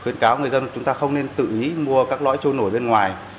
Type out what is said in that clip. khuyến cáo người dân chúng ta không nên tự ý mua các lõi trô nổi bên ngoài